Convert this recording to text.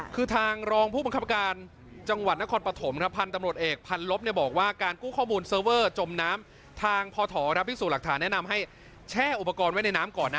คือทางรองผู้บังคับการจังหวัดนครปฐมครับพันธุ์ตำรวจเอกพันลบบอกว่าการกู้ข้อมูลเซอร์เวอร์จมน้ำทางพอถอรับพิสูจน์หลักฐานแนะนำให้แช่อุปกรณ์ไว้ในน้ำก่อนนะ